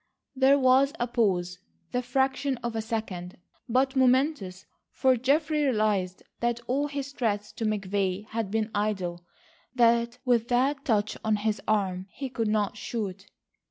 There was a pause—the fraction of a second, but momentous, for Geoffrey realised that all his threats to McVay had been idle, that with that touch on his arm he could not shoot.